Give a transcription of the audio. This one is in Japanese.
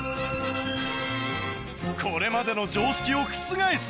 これまでの常識を覆す！